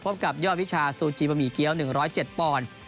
กับยอดวิชาซูจีบะหมี่เกี้ยว๑๐๗ปอนด์